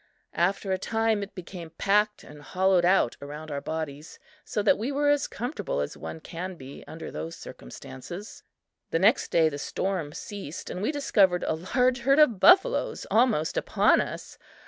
After a time, it became packed and hollowed out around our bodies, so that we were as comfortable as one can be under those circumstances. The next day the storm ceased, and we discovered a large herd of buffaloes almost upon us.